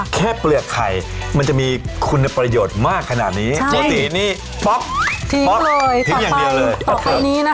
แค่เปลือกไข่มันจะมีคุณประโยชน์มากขนาดนี้